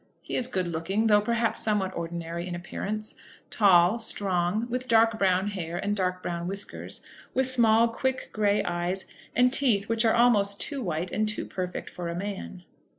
He is good looking, though, perhaps, somewhat ordinary in appearance; tall, strong, with dark brown hair, and dark brown whiskers, with small, quick grey eyes, and teeth which are almost too white and too perfect for a man.